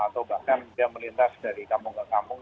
atau bahkan dia melintas dari kampung ke kampung